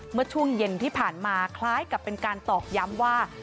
เมื่อช่วงเย็นที่ผ่านมาคล้ายกับเป็นการตอกย้ำว่า